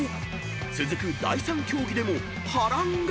［続く第３競技でも波乱が！］